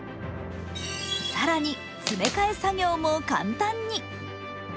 更に、詰め替え作業も簡単に。